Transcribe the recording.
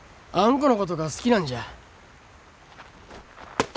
このことが好きなんじゃ。